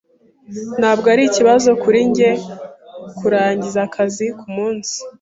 Ntabwo ari ikibazo kuri njye kurangiza akazi kumunsi.